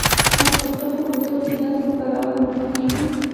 آیا د پښتنو په کلتور کې د عطرو کارول نه خوښیږي؟